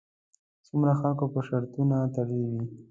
څومره خلکو به شرطونه تړلې وي.